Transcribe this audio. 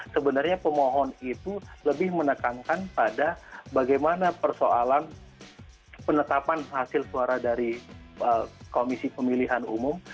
sebenarnya pemohon itu lebih menekankan pada bagaimana persoalan penetapan hasil suara dari komisi pemilihan umum